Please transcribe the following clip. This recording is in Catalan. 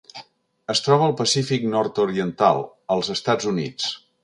Es troba al Pacífic nord-oriental: els Estats Units.